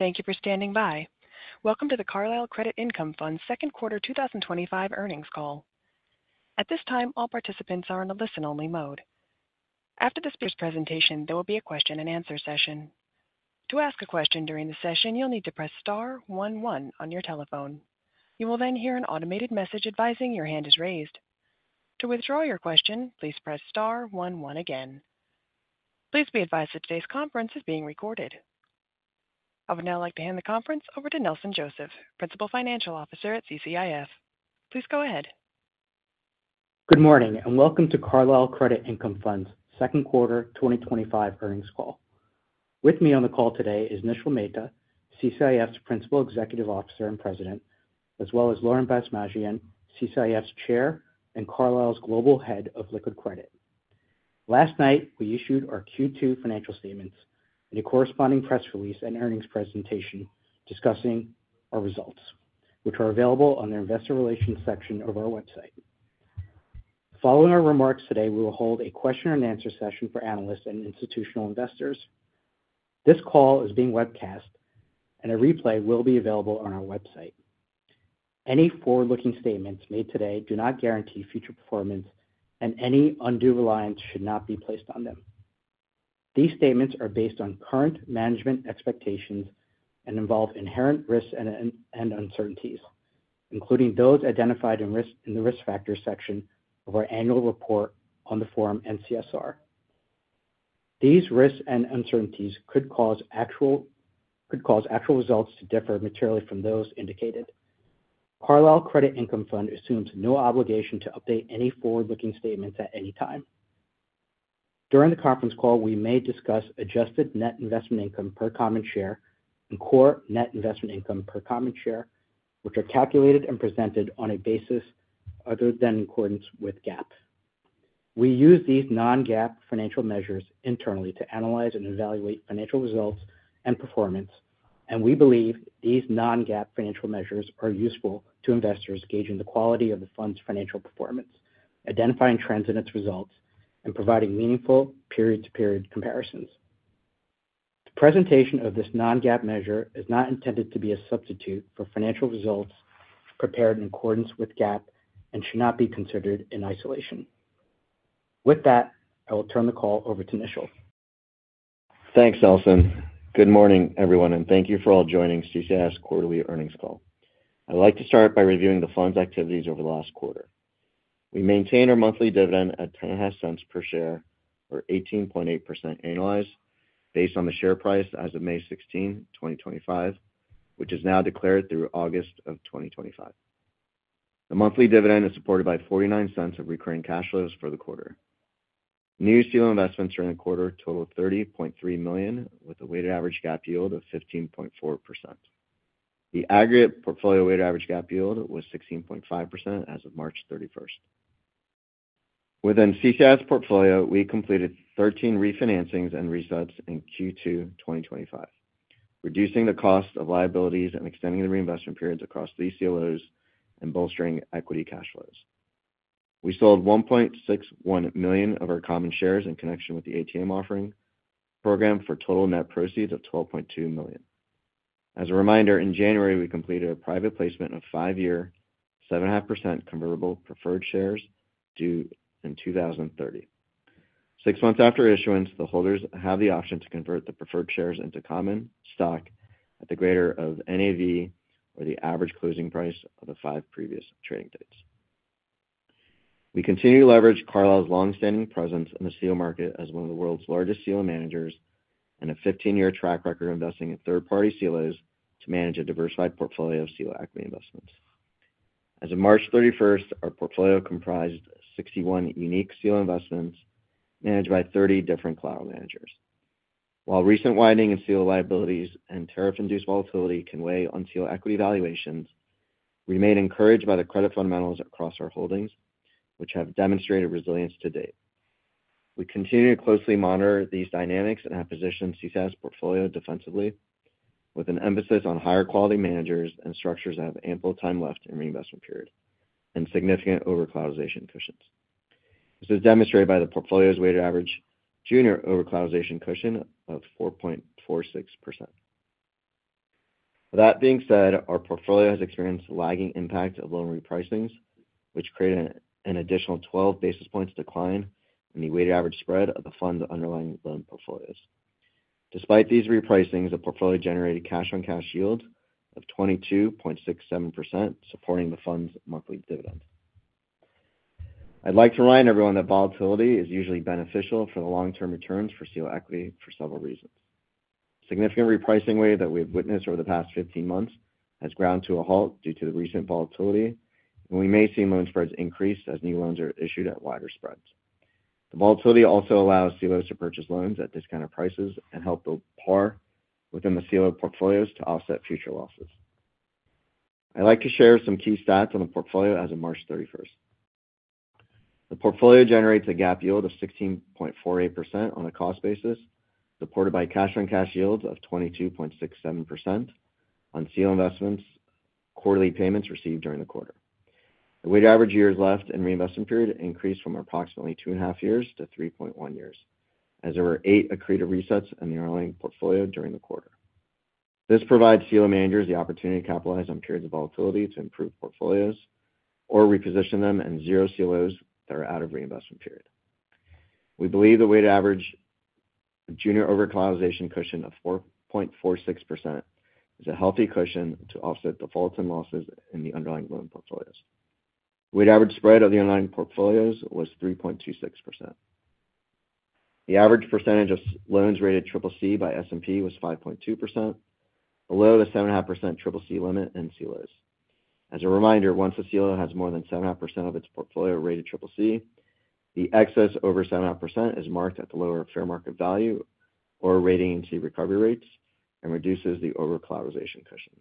Thank you for standing by. Welcome to the Carlyle Credit Income Fund's Second Quarter 2025 Earnings Call. At this time, all participants are in a listen-only mode. After this speaker's presentation, there will be a question-and-answer session. To ask a question during the session, you'll need to press star one one on your telephone. You will then hear an automated message advising your hand is raised. To withdraw your question, please press star one one again. Please be advised that today's conference is being recorded. I would now like to hand the conference over to Nelson Joseph, Principal Financial Officer at CCIF. Please go ahead. Good morning and welcome to Carlyle Credit Income Fund's Second Quarter 2025 Earnings Call. With me on the call today is Nishil Mehta, CCIF's Principal Executive Officer and President, as well as Lauren Basmadjian, CCIF's Chair and Carlyle's Global Head of Liquid Credit. Last night, we issued our Q2 financial statements and a corresponding press release and earnings presentation discussing our results, which are available on the investor relations section of our website. Following our remarks today, we will hold a question-and-answer session for analysts and institutional investors. This call is being webcast, and a replay will be available on our website. Any forward-looking statements made today do not guarantee future performance, and any undue reliance should not be placed on them. These statements are based on current management expectations and involve inherent risks and uncertainties, including those identified in the risk factor section of our annual report on the form NCSR. These risks and uncertainties could cause actual results to differ materially from those indicated. Carlyle Credit Income Fund assumes no obligation to update any forward-looking statements at any time. During the conference call, we may discuss adjusted net investment income per common share and core net investment income per common share, which are calculated and presented on a basis other than in accordance with GAAP. We use these non-GAAP financial measures internally to analyze and evaluate financial results and performance, and we believe these non-GAAP financial measures are useful to investors gauging the quality of the fund's financial performance, identifying trends in its results, and providing meaningful period-to-period comparisons. The presentation of this non-GAAP measure is not intended to be a substitute for financial results prepared in accordance with GAAP and should not be considered in isolation. With that, I will turn the call over to Nishil. Thanks, Nelson. Good morning, everyone, and thank you for all joining CCIF's quarterly earnings call. I'd like to start by reviewing the fund's activities over the last quarter. We maintain our monthly dividend at $0.105 per share, or 18.8% annualized, based on the share price as of May 16, 2025, which is now declared through August of 2025. The monthly dividend is supported by $0.49 of recurring cash flows for the quarter. New CLO investments during the quarter total $30.3 million, with a weighted average GAAP yield of 15.4%. The aggregate portfolio weighted average GAAP yield was 16.5% as of March 31st. Within CCIF's portfolio, we completed 13 refinancings and resets in Q2 2025, reducing the cost of liabilities and extending the reinvestment periods across these CLOs and bolstering equity cash flows. We sold 1.61 million of our common shares in connection with the ATM offering program for a total net proceeds of $12.2 million. As a reminder, in January, we completed a private placement of five-year 7.5% convertible preferred shares due in 2030. Six months after issuance, the holders have the option to convert the preferred shares into common stock at the greater of NAV or the average closing price of the five previous trading dates. We continue to leverage Carlyle's long-standing presence in the CLO market as one of the world's largest CLO managers and a 15-year track record of investing in third-party CLOs to manage a diversified portfolio of CLO equity investments. As of March 31, our portfolio comprised 61 unique CLO investments managed by 30 different Carlyle managers. While recent widening in CLO liabilities and tariff-induced volatility can weigh on CLO equity valuations, we remain encouraged by the credit fundamentals across our holdings, which have demonstrated resilience to date. We continue to closely monitor these dynamics and have positioned CCIF's portfolio defensively, with an emphasis on higher quality managers and structures that have ample time left in reinvestment period and significant over-collateralization cushions. This is demonstrated by the portfolio's weighted average junior over-collateralization cushion of 4.46%. That being said, our portfolio has experienced a lagging impact of loan repricings, which created an additional 12 basis points decline in the weighted average spread of the fund's underlying loan portfolios. Despite these repricings, the portfolio generated cash-on-cash yield of 22.67%, supporting the fund's monthly dividend. I'd like to remind everyone that volatility is usually beneficial for the long-term returns for CLO equity for several reasons. Significant repricing wave that we have witnessed over the past 15 months has ground to a halt due to the recent volatility, and we may see loan spreads increase as new loans are issued at wider spreads. The volatility also allows CLO managers to purchase loans at discounted prices and help build par within the CLO portfolios to offset future losses. I'd like to share some key stats on the portfolio as of March 31st. The portfolio generates a GAAP yield of 16.48% on a cost basis, supported by cash-on-cash yield of 22.67% on CLO investments' quarterly payments received during the quarter. The weighted average years left in reinvestment period increased from approximately two and a half years to 3.1 years, as there were eight accretive resets in the underlying portfolio during the quarter. This provides CLO managers the opportunity to capitalize on periods of volatility to improve portfolios or reposition them in zero CLOs that are out of reinvestment period. We believe the weighted average junior over-collateralization cushion of 4.46% is a healthy cushion to offset defaults and losses in the underlying loan portfolios. Weighted average spread of the underlying portfolios was 3.26%. The average percentage of loans rated CCC by S&P was 5.2%, below the 7.5% CCC limit in CLOs. As a reminder, once a CLO has more than 7.5% of its portfolio rated CCC, the excess over 7.5% is marked at the lower fair market value or rating in C recovery rates and reduces the over-collateralization cushion.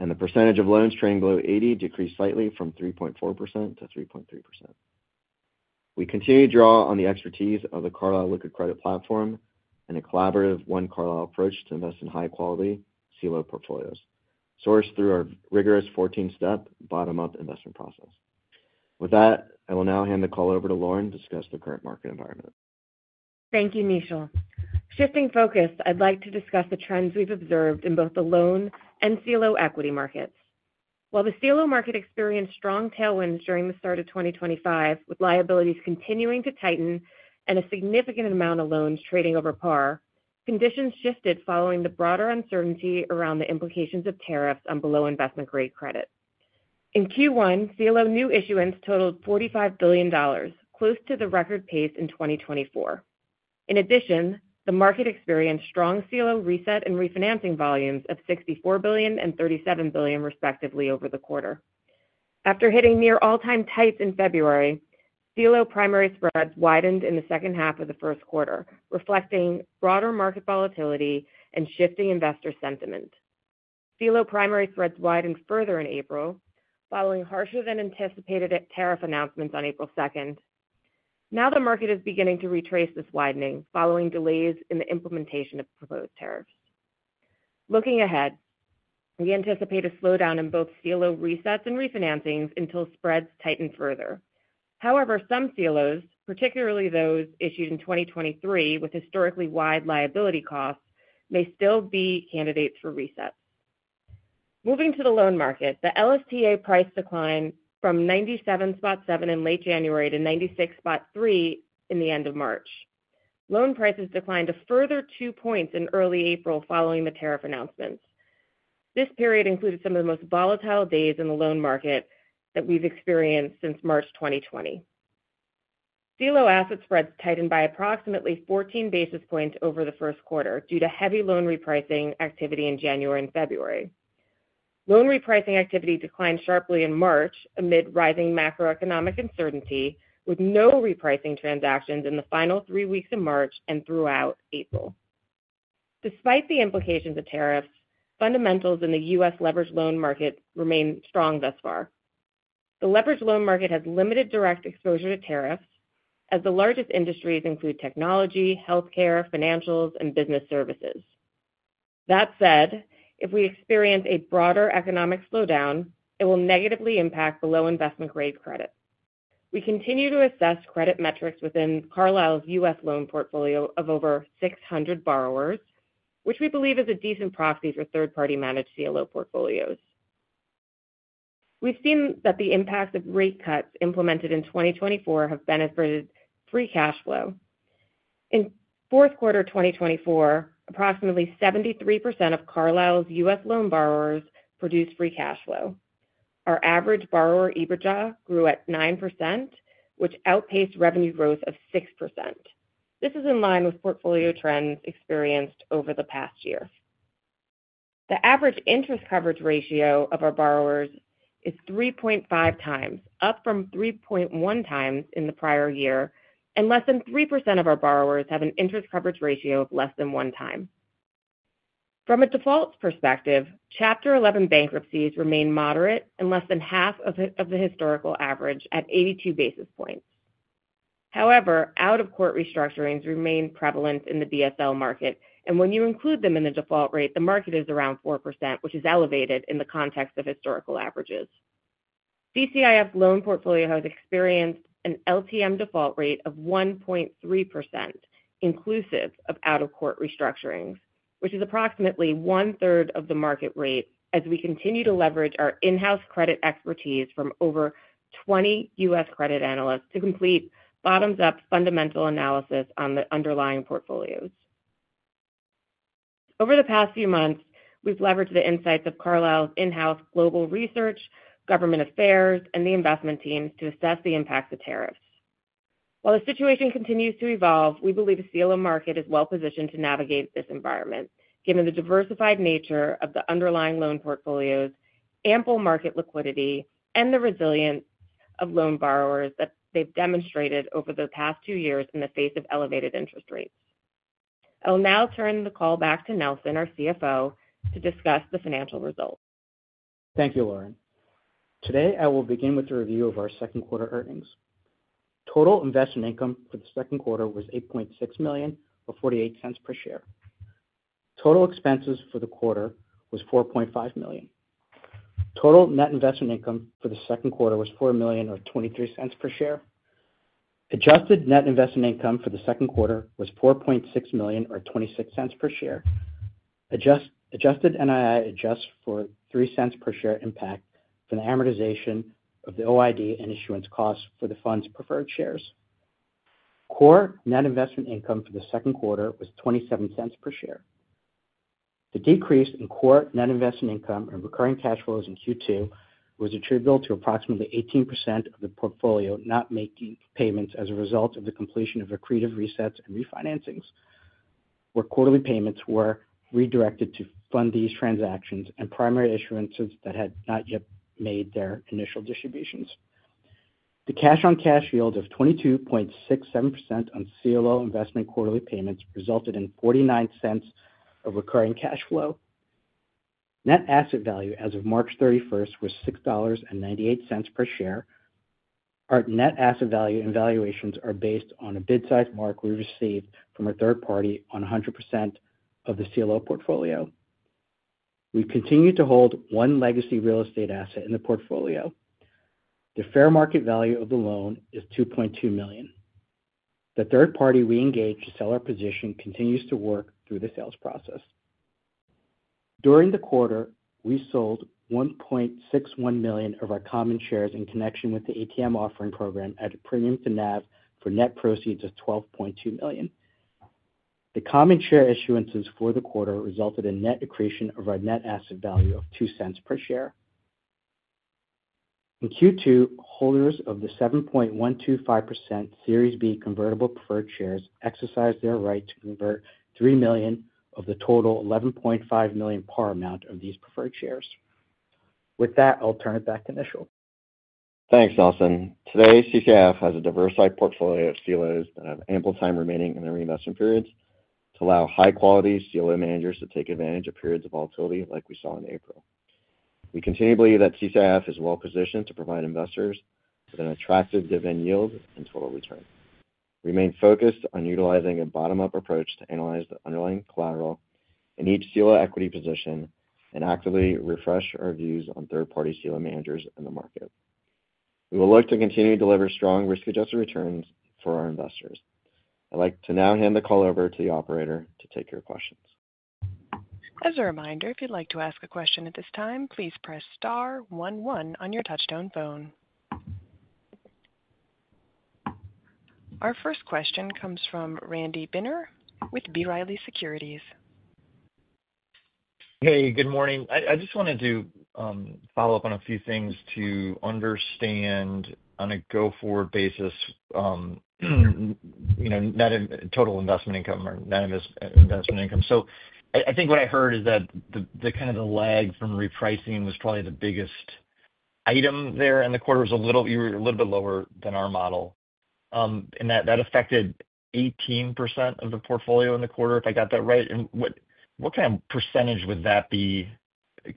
The percentage of loans trading below 80 decreased slightly from 3.4% to 3.3%. We continue to draw on the expertise of the Carlyle Liquid Credit platform and a collaborative One Carlyle approach to invest in high-quality CLO portfolios, sourced through our rigorous 14-step bottom-up investment process. With that, I will now hand the call over to Lauren to discuss the current market environment. Thank you, Nishil. Shifting focus, I'd like to discuss the trends we've observed in both the loan and CLO equity markets. While the CLO market experienced strong tailwinds during the start of 2025, with liabilities continuing to tighten and a significant amount of loans trading over PAR, conditions shifted following the broader uncertainty around the implications of tariffs on below-investment-grade credit. In Q1, CLO new issuance totaled $45 billion, close to the record pace in 2024. In addition, the market experienced strong CLO reset and refinancing volumes of $64 billion and $37 billion, respectively, over the quarter. After hitting near all-time tights in February, CLO primary spreads widened in the second half of the first quarter, reflecting broader market volatility and shifting investor sentiment. CLO primary spreads widened further in April, following harsher-than-anticipated tariff announcements on April 2nd. Now the market is beginning to retrace this widening following delays in the implementation of proposed tariffs. Looking ahead, we anticipate a slowdown in both CLO resets and refinancings until spreads tighten further. However, some CLOs, particularly those issued in 2023 with historically wide liability costs, may still be candidates for resets. Moving to the loan market, the LSTA price declined from 97.7 in late January to 96.3 in the end of March. Loan prices declined a further two points in early April following the tariff announcements. This period included some of the most volatile days in the loan market that we've experienced since March 2020. CLO asset spreads tightened by approximately 14 basis points over the first quarter due to heavy loan repricing activity in January and February. Loan repricing activity declined sharply in March amid rising macroeconomic uncertainty, with no repricing transactions in the final three weeks of March and throughout April. Despite the implications of tariffs, fundamentals in the U.S. leveraged loan market remain strong thus far. The leveraged loan market has limited direct exposure to tariffs, as the largest industries include technology, healthcare, financials, and business services. That said, if we experience a broader economic slowdown, it will negatively impact below-investment-grade credit. We continue to assess credit metrics within Carlyle's U.S. loan portfolio of over 600 borrowers, which we believe is a decent proxy for third-party managed CLO portfolios. We've seen that the impacts of rate cuts implemented in 2024 have benefited free cash flow. In fourth quarter 2024, approximately 73% of Carlyle's U.S. loan borrowers produced free cash flow. Our average borrower EBITDA grew at 9%, which outpaced revenue growth of 6%. This is in line with portfolio trends experienced over the past year. The average interest coverage ratio of our borrowers is 3.5 times, up from 3.1 times in the prior year, and less than 3% of our borrowers have an interest coverage ratio of less than one time. From a defaults perspective, Chapter 11 bankruptcies remain moderate and less than half of the historical average at 82 basis points. However, out-of-court restructurings remain prevalent in the DSL market, and when you include them in the default rate, the market is around 4%, which is elevated in the context of historical averages. CCIF's loan portfolio has experienced an LTM default rate of 1.3%, inclusive of out-of-court restructurings, which is approximately one-third of the market rate as we continue to leverage our in-house credit expertise from over 20 U.S. credit analysts to complete bottoms-up fundamental analysis on the underlying portfolios. Over the past few months, we've leveraged the insights of Carlyle's in-house global research, government affairs, and the investment teams to assess the impacts of tariffs. While the situation continues to evolve, we believe the CLO market is well-positioned to navigate this environment, given the diversified nature of the underlying loan portfolios, ample market liquidity, and the resilience of loan borrowers that they've demonstrated over the past two years in the face of elevated interest rates. I'll now turn the call back to Nelson, our CFO, to discuss the financial results. Thank you, Lauren. Today, I will begin with the review of our second quarter earnings. Total investment income for the second quarter was $8.6 million or $0.48 per share. Total expenses for the quarter was $4.5 million. Total net investment income for the second quarter was $4 million or $0.23 per share. Adjusted net investment income for the second quarter was $4.6 million or $0.26 per share. Adjusted NII adjusts for $0.03 per share impact from the amortization of the OID and issuance costs for the fund's preferred shares. Core net investment income for the second quarter was $0.27 per share. The decrease in core net investment income and recurring cash flows in Q2 was attributable to approximately 18% of the portfolio not making payments as a result of the completion of accretive resets and refinancings, where quarterly payments were redirected to fund these transactions and primary issuances that had not yet made their initial distributions. The cash-on-cash yield of 22.67% on CLO investment quarterly payments resulted in $0.49 of recurring cash flow. Net asset value as of March 31 was $6.98 per share. Our net asset value and valuations are based on a bid-side mark we received from a third party on 100% of the CLO portfolio. We continue to hold one legacy real estate asset in the portfolio. The fair market value of the loan is $2.2 million. The third party we engaged to sell our position continues to work through the sales process. During the quarter, we sold 1.61 million of our common shares in connection with the ATM offering program at a premium to NAV for net proceeds of $12.2 million. The common share issuances for the quarter resulted in net accretion of our net asset value of $0.02 per share. In Q2, holders of the 7.125% Series B convertible preferred shares exercised their right to convert $3 million of the total $11.5 million par amount of these preferred shares. With that, I'll turn it back to Nishil. Thanks, Nelson. Today, CCIF has a diversified portfolio of CLOs that have ample time remaining in their reinvestment periods to allow high-quality CLO managers to take advantage of periods of volatility like we saw in April. We continue to believe that CCIF is well-positioned to provide investors with an attractive dividend yield and total return. We remain focused on utilizing a bottom-up approach to analyze the underlying collateral in each CLO equity position and actively refresh our views on third-party CLO managers in the market. We will look to continue to deliver strong risk-adjusted returns for our investors. I'd like to now hand the call over to the operator to take your questions. As a reminder, if you'd like to ask a question at this time, please press star one one on your touchstone phone. Our first question comes from Randy Binner with B. Riley Securities. Hey, good morning. I just wanted to follow up on a few things to understand on a go-forward basis, net total investment income or net investment income. I think what I heard is that the kind of the lag from repricing was probably the biggest item there in the quarter, was a little bit lower than our model. That affected 18% of the portfolio in the quarter, if I got that right. What kind of percentage would that be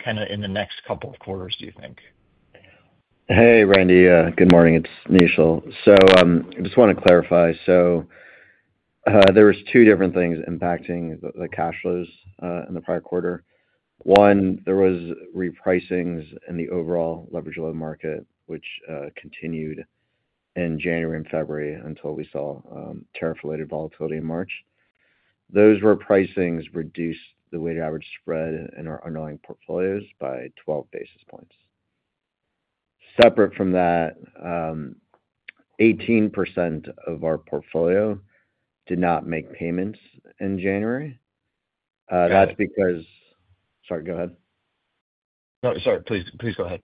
in the next couple of quarters, do you think? Hey, Randy, good morning. It's Nishil. I just want to clarify. There were two different things impacting the cash flows in the prior quarter. One, there were repricings in the overall leveraged loan market, which continued in January and February until we saw tariff-related volatility in March. Those repricings reduced the weighted average spread in our underlying portfolios by 12 basis points. Separate from that, 18% of our portfolio did not make payments in January. That's because—sorry, go ahead. No, sorry, please go ahead.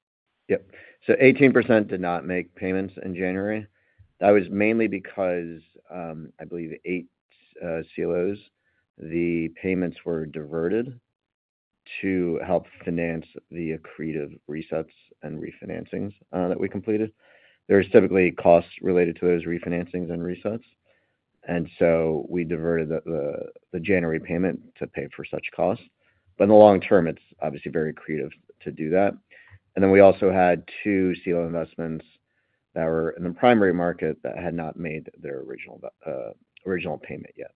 Yep. So 18% did not make payments in January. That was mainly because, I believe, eight CLOs, the payments were diverted to help finance the accretive resets and refinancings that we completed. There are typically costs related to those refinancings and resets. We diverted the January payment to pay for such costs. In the long term, it's obviously very accretive to do that. We also had two CLO investments that were in the primary market that had not made their original payment yet.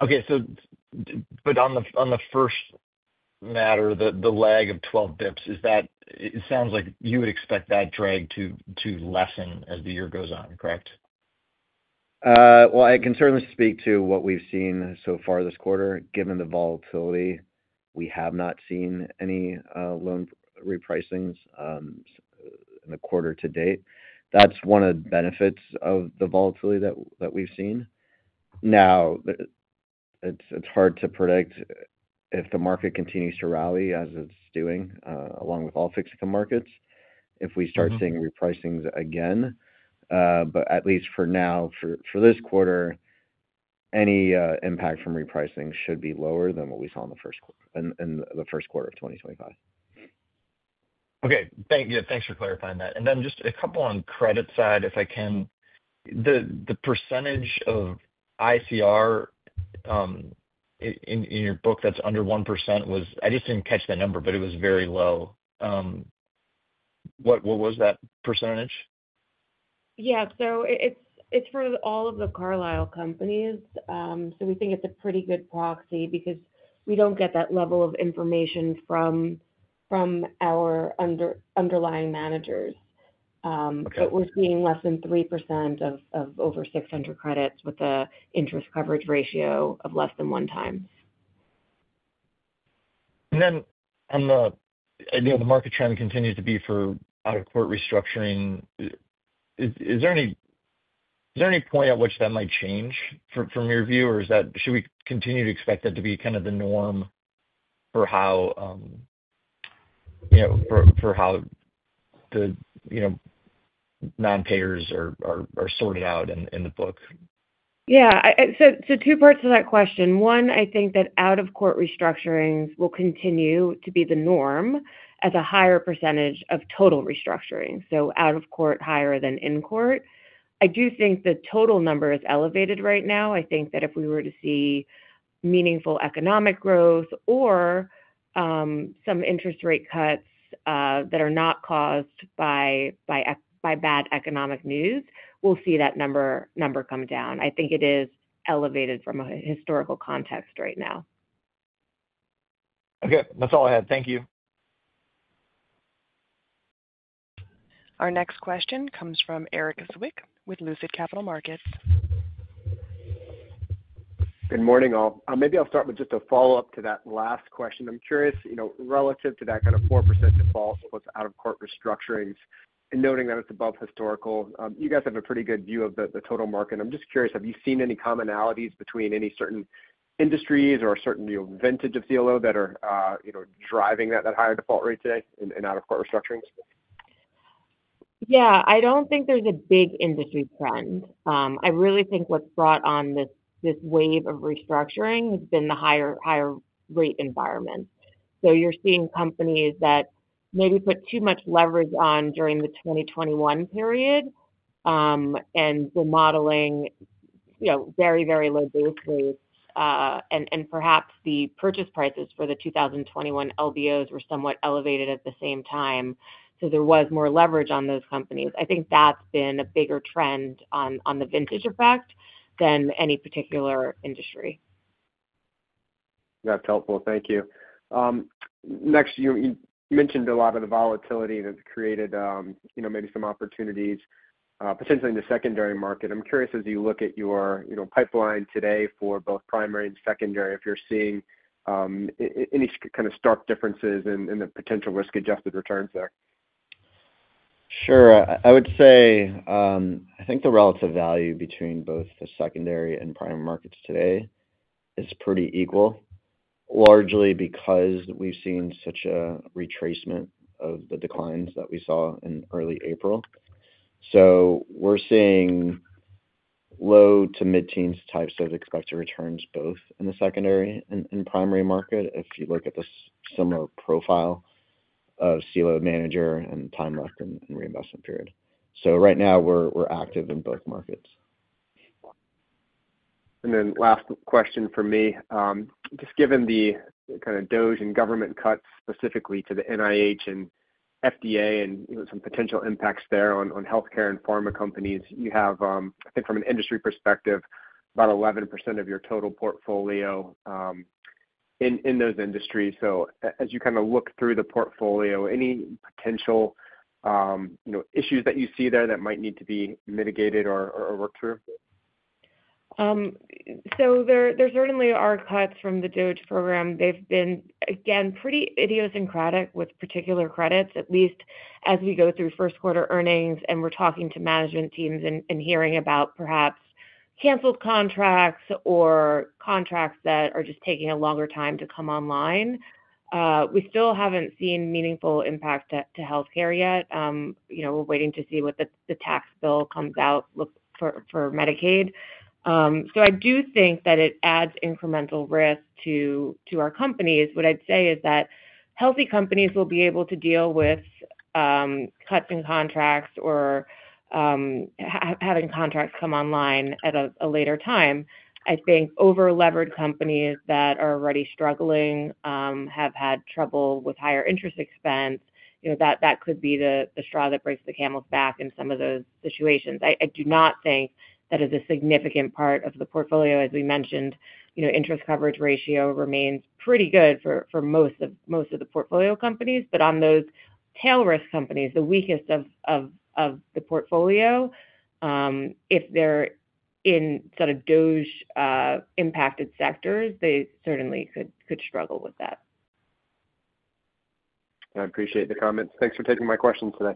Okay. On the first matter, the lag of 12 basis points, it sounds like you would expect that drag to lessen as the year goes on, correct? I can certainly speak to what we've seen so far this quarter. Given the volatility, we have not seen any loan repricings in the quarter to date. That's one of the benefits of the volatility that we've seen. Now, it's hard to predict if the market continues to rally, as it's doing, along with all fixed income markets, if we start seeing repricings again. At least for now, for this quarter, any impact from repricing should be lower than what we saw in the first quarter of 2025. Okay. Thanks for clarifying that. Just a couple on credit side, if I can. The percentage of ICR in your book that's under 1% was—I just didn't catch the number, but it was very low. What was that percentage? Yeah. So it's for all of the Carlyle companies. We think it's a pretty good proxy because we don't get that level of information from our underlying managers. We're seeing less than 3% of over 600 credits with an interest coverage ratio of less than one time. On the market trend continues to be for out-of-court restructuring, is there any point at which that might change from your view, or should we continue to expect that to be kind of the norm for how the non-payers are sorted out in the book? Yeah. Two parts of that question. One, I think that out-of-court restructurings will continue to be the norm as a higher percentage of total restructuring. Out-of-court higher than in-court. I do think the total number is elevated right now. I think that if we were to see meaningful economic growth or some interest rate cuts that are not caused by bad economic news, we'll see that number come down. I think it is elevated from a historical context right now. Okay. That's all I had. Thank you. Our next question comes from Erik Zwick with Lucid Capital Markets. Good morning, all. Maybe I'll start with just a follow-up to that last question. I'm curious, relative to that kind of 4% default with out-of-court restructurings, and noting that it's above historical, you guys have a pretty good view of the total market. I'm just curious, have you seen any commonalities between any certain industries or a certain vintage of CLO that are driving that higher default rate today in out-of-court restructurings? Yeah. I do not think there is a big industry trend. I really think what has brought on this wave of restructuring has been the higher rate environment. You are seeing companies that maybe put too much leverage on during the 2021 period and were modeling very, very low bases. Perhaps the purchase prices for the 2021 LBOs were somewhat elevated at the same time. There was more leverage on those companies. I think that has been a bigger trend on the vintage effect than any particular industry. That's helpful. Thank you. Next, you mentioned a lot of the volatility that's created maybe some opportunities, potentially in the secondary market. I'm curious, as you look at your pipeline today for both primary and secondary, if you're seeing any kind of stark differences in the potential risk-adjusted returns there? Sure. I would say I think the relative value between both the secondary and primary markets today is pretty equal, largely because we have seen such a retracement of the declines that we saw in early April. We are seeing low to mid-teens types of expected returns both in the secondary and primary market if you look at the similar profile of CLO manager and time left in reinvestment period. Right now, we are active in both markets. Last question for me. Just given the kind of DOGE and government cuts specifically to the NIH and FDA and some potential impacts there on healthcare and pharma companies, you have, I think from an industry perspective, about 11% of your total portfolio in those industries. As you kind of look through the portfolio, any potential issues that you see there that might need to be mitigated or worked through? There certainly are cuts from the DOGE program. They've been, again, pretty idiosyncratic with particular credits, at least as we go through first quarter earnings and we're talking to management teams and hearing about perhaps canceled contracts or contracts that are just taking a longer time to come online. We still haven't seen meaningful impact to healthcare yet. We're waiting to see what the tax bill comes out for Medicaid. I do think that it adds incremental risk to our companies. What I'd say is that healthy companies will be able to deal with cuts in contracts or having contracts come online at a later time. I think over-leveraged companies that are already struggling have had trouble with higher interest expense. That could be the straw that breaks the camel's back in some of those situations. I do not think that is a significant part of the portfolio. As we mentioned, interest coverage ratio remains pretty good for most of the portfolio companies. However, on those tail risk companies, the weakest of the portfolio, if they're in sort of DOGE-impacted sectors, they certainly could struggle with that. I appreciate the comments. Thanks for taking my questions today.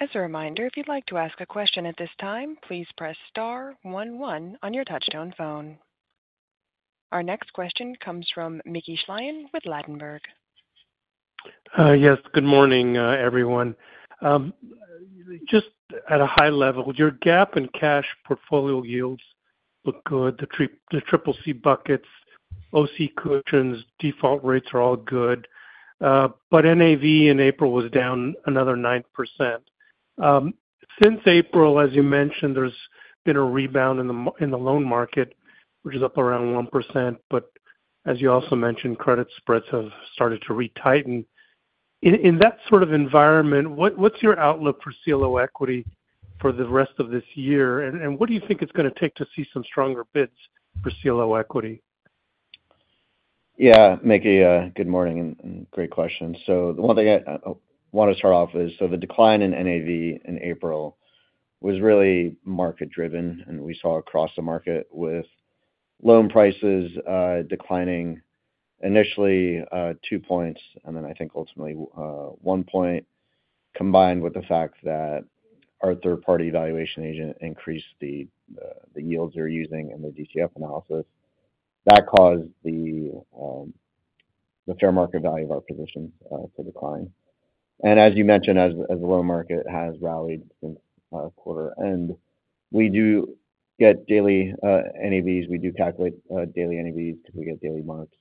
As a reminder, if you'd like to ask a question at this time, please press star one one on your touch-tone phone. Our next question comes from Mickey Schleien with Ladenburg. Yes. Good morning, everyone. Just at a high level, your GAAP and cash portfolio yields look good. The triple C buckets, OC cushions, default rates are all good. NAV in April was down another 9%. Since April, as you mentioned, there's been a rebound in the loan market, which is up around 1%. As you also mentioned, credit spreads have started to retighten. In that sort of environment, what's your outlook for CLO equity for the rest of this year? What do you think it's going to take to see some stronger bids for CLO equity? Yeah. Mickey, good morning and great question. The one thing I want to start off with is the decline in NAV in April was really market-driven. We saw across the market with loan prices declining initially two points and then I think ultimately one point, combined with the fact that our third-party valuation agent increased the yields they're using in the DCF analysis, that caused the fair market value of our positions to decline. As you mentioned, as the loan market has rallied since quarter end, we do get daily NAVs. We do calculate daily NAVs because we get daily marks.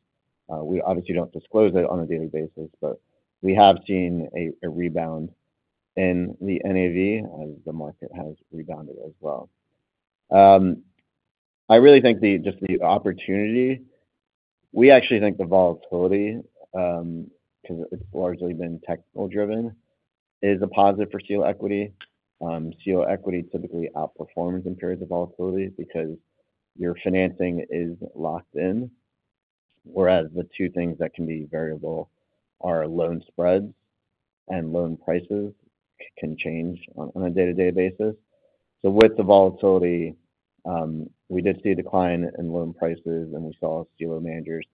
We obviously don't disclose it on a daily basis, but we have seen a rebound in the NAV as the market has rebounded as well. I really think just the opportunity—I actually think the volatility, because it's largely been technical-driven—is a positive for CLO equity. CLO equity typically outperforms in periods of volatility because your financing is locked in. Whereas the two things that can be variable are loan spreads and loan prices can change on a day-to-day basis. With the volatility, we did see a decline in loan prices, and we saw CLO managers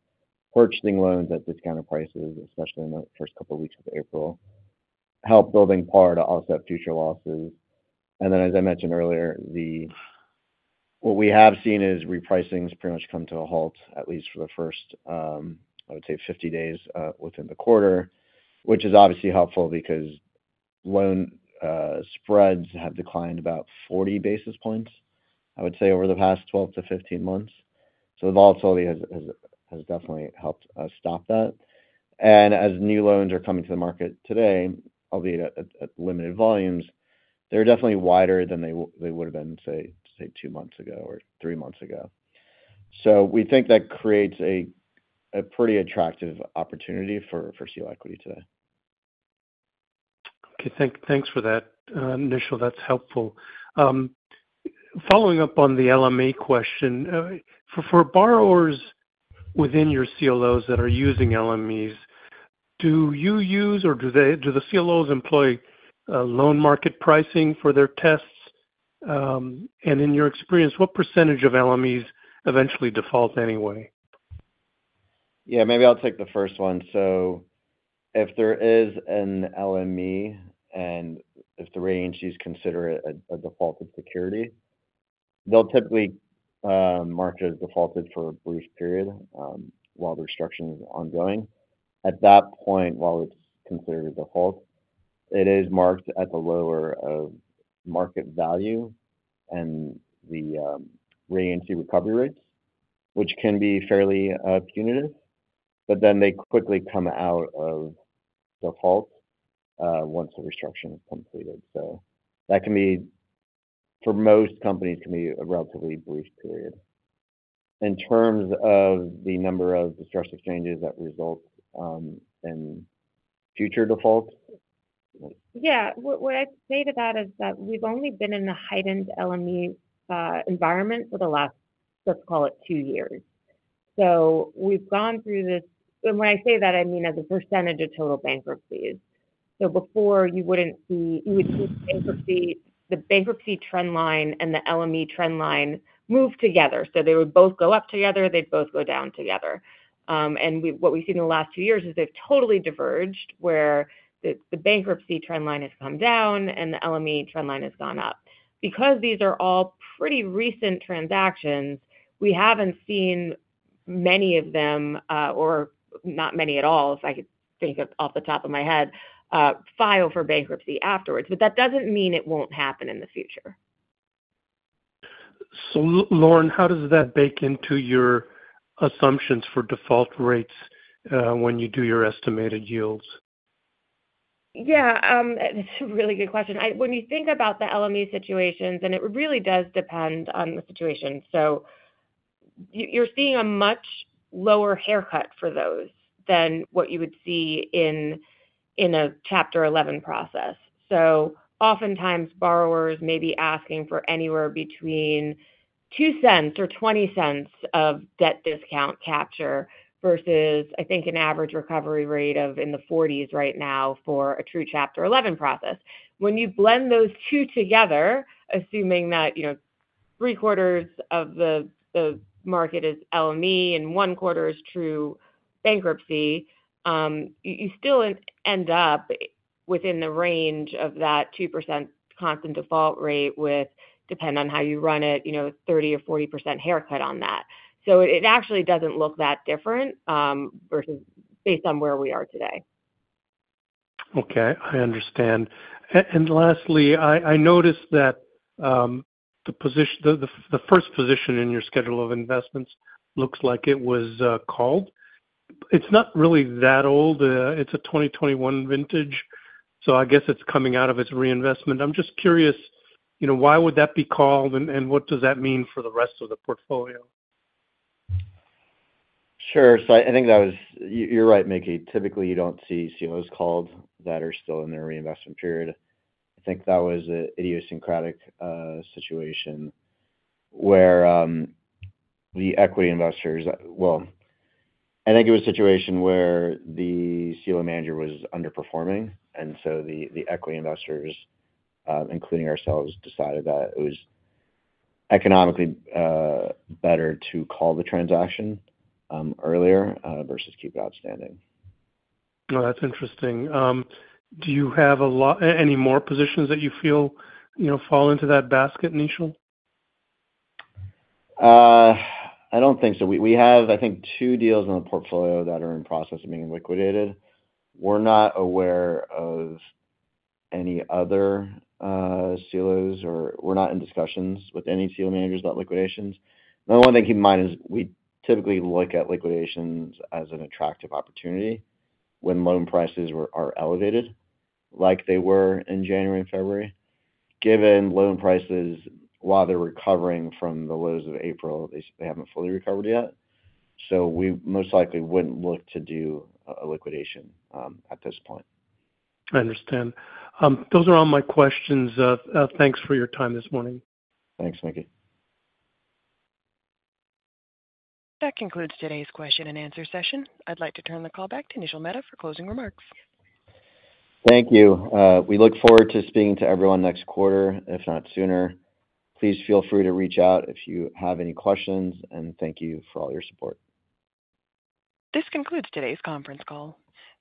purchasing loans at discounted prices, especially in the first couple of weeks of April, help building par to offset future losses. As I mentioned earlier, what we have seen is repricings pretty much come to a halt, at least for the first, I would say, 50 days within the quarter, which is obviously helpful because loan spreads have declined about 40 basis points, I would say, over the past 12-15 months. The volatility has definitely helped us stop that. As new loans are coming to the market today, albeit at limited volumes, they're definitely wider than they would have been, say, two months ago or three months ago. We think that creates a pretty attractive opportunity for CLO equity today. Okay. Thanks for that initial. That's helpful. Following up on the LME question, for borrowers within your CLOs that are using LMEs, do you use or do the CLOs employ loan market pricing for their tests? In your experience, what percentage of LMEs eventually default anyway? Yeah. Maybe I'll take the first one. If there is an LME and if the rating is considered a defaulted security, they'll typically mark it as defaulted for a brief period while the restructuring is ongoing. At that point, while it's considered a default, it is marked at the lower of market value and the rating and recovery rates, which can be fairly punitive. They quickly come out of default once the restructuring is completed. That can be, for most companies, a relatively brief period. In terms of the number of distressed exchanges that result in future defaults. Yeah. What I'd say to that is that we've only been in the heightened LME environment for the last, let's call it, two years. We've gone through this—and when I say that, I mean as a percentage of total bankruptcies. Before, you wouldn't see—you would see the bankruptcy trendline and the LME trendline move together. They would both go up together. They'd both go down together. What we've seen in the last two years is they've totally diverged, where the bankruptcy trendline has come down and the LME trendline has gone up. Because these are all pretty recent transactions, we haven't seen many of them—or not many at all, if I could think off the top of my head—file for bankruptcy afterwards. That doesn't mean it won't happen in the future. Lauren, how does that bake into your assumptions for default rates when you do your estimated yields? Yeah. That's a really good question. When you think about the LME situations—and it really does depend on the situation—you're seeing a much lower haircut for those than what you would see in a Chapter 11 process. Oftentimes, borrowers may be asking for anywhere between $0.02 or $0.20 of debt discount capture versus, I think, an average recovery rate of in the 40s right now for a true Chapter 11 process. When you blend those two together, assuming that three-quarters of the market is LME and one quarter is true bankruptcy, you still end up within the range of that 2% constant default rate with, depending on how you run it, 30% or 40% haircut on that. It actually doesn't look that different based on where we are today. Okay. I understand. Lastly, I noticed that the first position in your schedule of investments looks like it was called. It's not really that old. It's a 2021 vintage. I guess it's coming out of its reinvestment. I'm just curious, why would that be called and what does that mean for the rest of the portfolio? Sure. I think that was—you are right, Mickey. Typically, you do not see CLOs called that are still in their reinvestment period. I think that was an idiosyncratic situation where the equity investors—I think it was a situation where the CLO manager was underperforming. The equity investors, including ourselves, decided that it was economically better to call the transaction earlier versus keep it outstanding. No, that's interesting. Do you have any more positions that you feel fall into that basket, Nishil? I don't think so. We have, I think, two deals in the portfolio that are in process of being liquidated. We're not aware of any other CLOs, or we're not in discussions with any CLO managers about liquidations. The only thing to keep in mind is we typically look at liquidations as an attractive opportunity when loan prices are elevated, like they were in January and February. Given loan prices, while they're recovering from the lows of April, they haven't fully recovered yet. We most likely wouldn't look to do a liquidation at this point. I understand. Those are all my questions. Thanks for your time this morning. Thanks, Mickey. That concludes today's question and answer session. I'd like to turn the call back to Nishil Mehta for closing remarks. Thank you. We look forward to speaking to everyone next quarter, if not sooner. Please feel free to reach out if you have any questions. Thank you for all your support. This concludes today's conference call.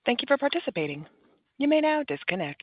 Thank you for participating. You may now disconnect.